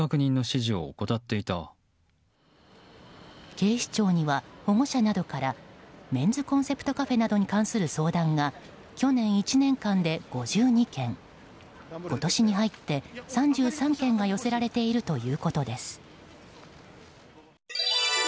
警視庁には保護者などからメンズコンセプトカフェなどに関する情報が去年１年間で５２件今年に入って３３件が寄せられているということです。